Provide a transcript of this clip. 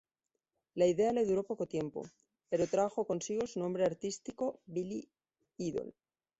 La idea le duró poco tiempo, pero trajo consigo su nombre artístico: Billy Idol.